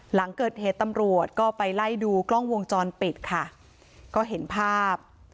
หลังเกิดเหตุตำรวจก็ไปไล่ดูกล้องวงจรปิดค่ะก็เห็นภาพ